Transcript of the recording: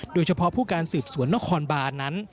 โดยเฉพาะผู้การสืบสวนนครบานนั้น